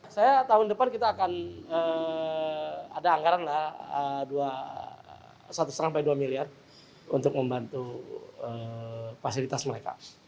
ada anggaran lah satu lima sampai dua miliar untuk membantu fasilitas mereka